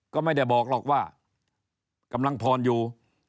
ก็ไม่ได้บอกหรอกว่ากำลังพรอยู่